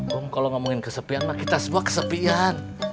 om kalau ngomongin kesepian mah kita semua kesepian